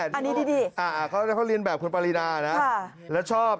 อันนี้ดีเขาเรียนแบบคุณปรินานะแล้วชอบ